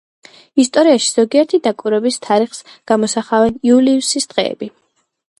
ასტრონომიაში ზოგიერთი დაკვირვების თარიღს გამოსახავენ იულიუსის დღეები.